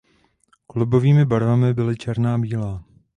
Klubovými barvami byly černá a bílá.